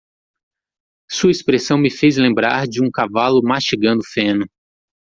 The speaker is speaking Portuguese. Sua expressão me fez lembrar de um cavalo mastigando feno.